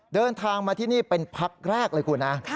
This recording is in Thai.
เดินทางมาที่นี่เป็นพักแรกเลยคุณนะ